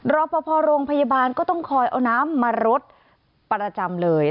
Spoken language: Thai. รอปภโรงพยาบาลก็ต้องคอยเอาน้ำมารดประจำเลย